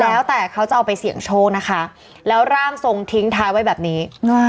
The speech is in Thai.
แล้วแต่เขาจะเอาไปเสี่ยงโชคนะคะแล้วร่างทรงทิ้งท้ายไว้แบบนี้